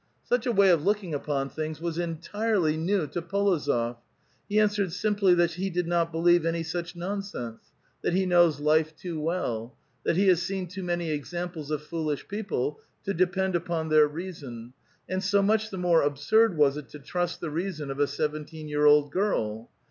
Such a way of looking upon things was entirely new to P61ozof . He answered sharply that he did not believe any such nonsense ; that he knows life too well ; that he has seen too many examples of foolish people, to depend upon their reason ; and so much the more absurd was it to trust the reason of a seventeen year old girl.